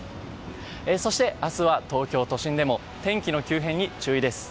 そして明日は東京都心でも天気の急変に注意です。